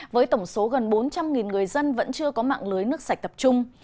với tổng số gần bốn trăm linh người dân vẫn chưa có mạng lưới nước sạch tập trung